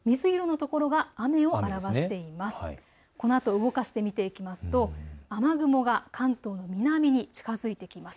このあと動かしてみますと雨雲が関東の南に近づいてきます。